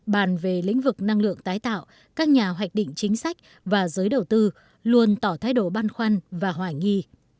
bàn về lĩnh vực năng lượng tái tạo các nhà hoạch định chính sách và giới đầu tư luôn tỏ thái độ băn khoăn và hoài nghi